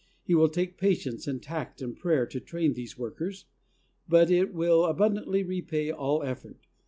It will take patience and tact and prayer to train these workers, but it will abundantly repay all eflFort.